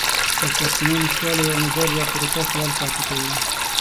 د سرچینو نشتوالی یو نظر یا طریقه خیال پاتې کوي.